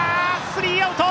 スリーアウト！